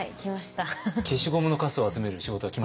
消しゴムのカスを集める仕事は来ましたか？